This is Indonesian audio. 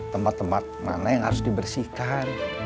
tempat tempat mana yang harus dibersihkan